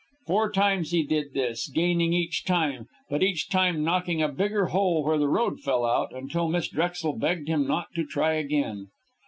Four times he did this, gaining each time, but each time knocking a bigger hole where the road fell out, until Miss Drexel begged him not to try again.